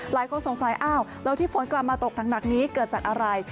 หลายคนสงสัยอ้าวแล้วที่ฝนกลับมาตกหนักนี้เกิดจากอะไร